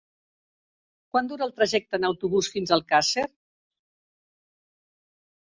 Quant dura el trajecte en autobús fins a Alcàsser?